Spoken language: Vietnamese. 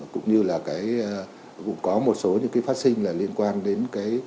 cũng như là có một số phát sinh liên quan đến